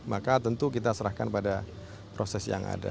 maka tentu kita serahkan pada proses yang ada